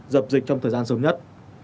dập dịch trong thời gian sớm nhất